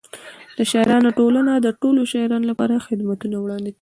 د شاعرانو ټولنه د ټولو شاعرانو لپاره خدمتونه وړاندې کوي.